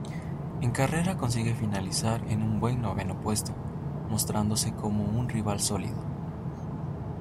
En carrera consigue finalizar en un buen noveno puesto, mostrándose como un rival sólido.